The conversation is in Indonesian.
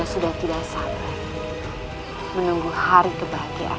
suhailya anglia melosembe pakistan paljolah